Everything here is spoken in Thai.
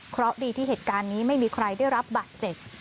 เพราะดีที่เหตุการณ์นี้ไม่มีใครได้รับบาดเจ็บ